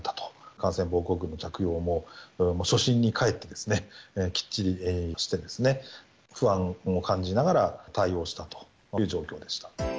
感染防護服の着用も初心に帰ってですね、きっちりしてですね、不安を感じながら対応したという状況でした。